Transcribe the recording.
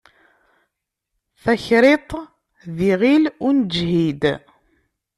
Takriṭ d iɣil ur neǧhid.